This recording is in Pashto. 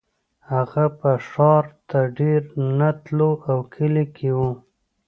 هغه به ښار ته ډېر نه تلو او کلي کې و